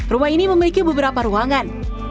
rumah ini memiliki beberapa ruangan